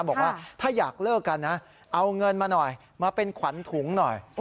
บอกว่าถ้าอยากเลิกกันนะเอาเงินมาหน่อยมาเป็นขวัญถุงหน่อย